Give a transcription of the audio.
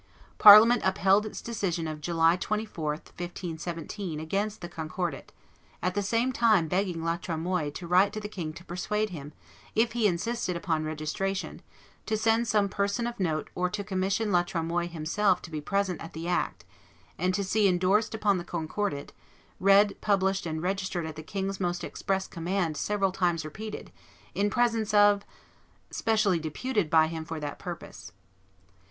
Parliament upheld its decision of July 24, 1517, against the Concordat, at the same time begging La Tremoille to write to the king to persuade him, if he insisted upon registration, to send some person of note or to commission La Tremoille himself to be present at the act, and to see indorsed upon the Concordat, "Read, published, and registered at the king's most express command several times repeated, in presence of ..., specially deputed by him for that purpose."